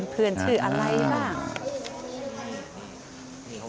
เพื่อนชื่ออะไรบ้าง